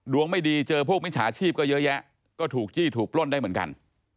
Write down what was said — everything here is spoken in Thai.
ไม่ดีเจอพวกมิจฉาชีพก็เยอะแยะก็ถูกจี้ถูกปล้นได้เหมือนกัน